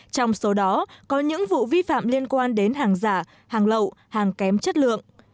trong số đó có những vụ vi phạm liên quan đến hàng giả hàng lậu hàng kém chất lượng